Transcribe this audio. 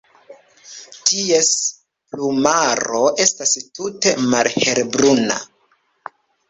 Ties plumaro estas tute malhelbruna.